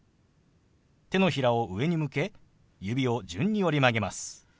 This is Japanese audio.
手のひらを上に向け指を順に折り曲げます。